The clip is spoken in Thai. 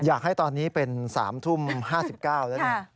อยากให้ตอนนี้เป็น๓ทุ่ม๕๙ที่อ่าน